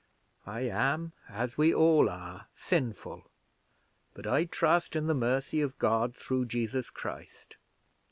I am, as we all are, sinful, but I trust in the mercy of God through Jesus Christ.